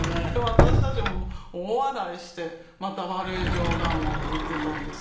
私たちも大笑いして「また悪い冗談を」って言ってたんですけど。